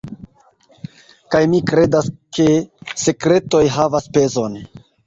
Kaj mi kredas ke sekretoj havas pezon.